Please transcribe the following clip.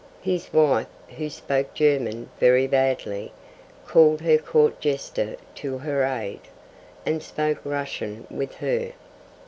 His wife, who spoke German very badly, called her court jester to her aid, and spoke Russian with her.